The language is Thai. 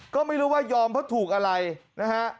ก็ไม่รู้ว่ายอมเพราะถูกอะไรนะฮะ